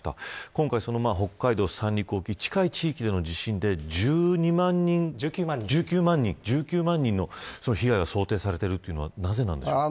今回は北海道三陸沖、近い地域で１９万人の被害が想定されているというのは、なぜなんでしょう。